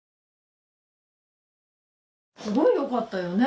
すごく良かったよね。